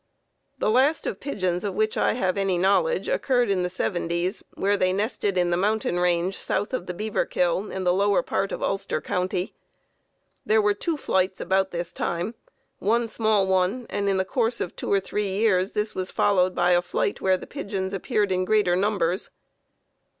The last flight of pigeons of which I have any knowledge occurred in the seventies, where they nested in the mountain range south of the Beaverkill in the lower part of Ulster County. There were two flights about this time, one small one, and in the course of two or three years this was followed by a flight where the pigeons appeared in great numbers.